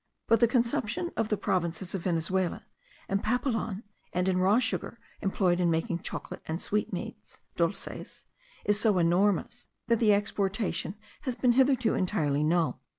But the consumption of the provinces of Venezuela, in papelon, and in raw sugar employed in making chocolate and sweetmeats (dulces) is so enormous, that the exportation has been hitherto entirely null.